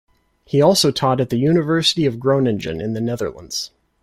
He also taught at the University of Groningen in the Netherlands.